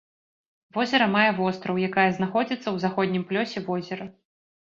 Возера мае востраў, якая знаходзіцца ў заходнім плёсе возера.